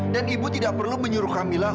dan ibu tidak perlu menyuruh kamila